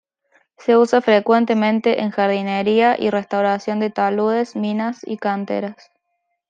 Se usa frecuentemente en jardinería y restauración de taludes, minas y canteras.